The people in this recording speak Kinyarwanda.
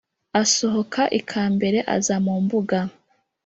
asohoka ikambere aza mumbuga